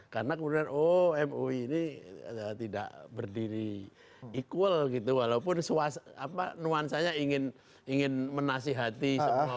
karena kemudian oh mui ini tidak berdiri equal gitu walaupun nuansanya ingin menasihati semua orang